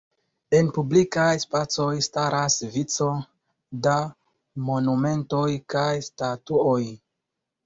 En publikaj spacoj staras vico da monumentoj kaj statuoj.